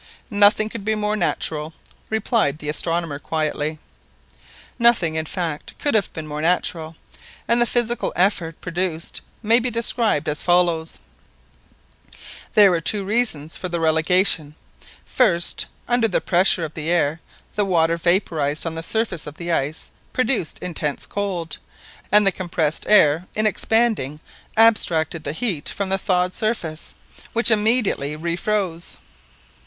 "Nothing could be more natural," replied the astronomer quietly. Nothing, in fact, could have been more natural; and the physical effect produced may be described as follows:— There were two reasons for the relegation:—First, under the pressure of the air, the water vaporised on the surface of the ice produced intense cold, and the compressed air in expanding abstracted the heat from the thawed surface, which immediately re froze.